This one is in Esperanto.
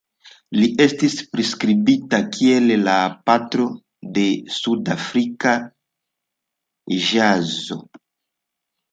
Li estis priskribita kiel "la patro de sudafrika ĵazo.